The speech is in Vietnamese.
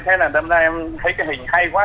thế là năm nay em thấy cái hình hay quá